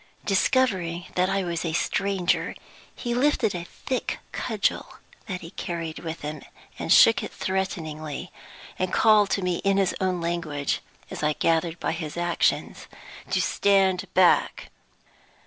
Discovering that I was a stranger, he lifted a thick cudgel that he carried with him, shook it threateningly, and called to me in his own language (as I gathered by his actions) to stand back.